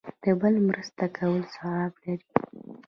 د بل مرسته کول ثواب لري